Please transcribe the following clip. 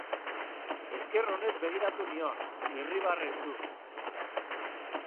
Esker onez begiratu nion, irribarretsu.